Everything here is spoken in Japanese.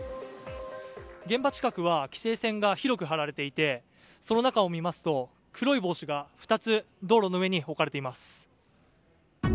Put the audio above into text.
現場近くは規制線が広く張られていてその中を見ますと、黒い帽子が２つ道路の上に置かれています。